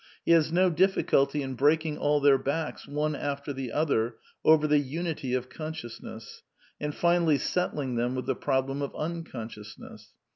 He has no difficulty in breaking all their backs one after the other over the " unity of conscious ness," and finally settling them with the problem of un consciousness.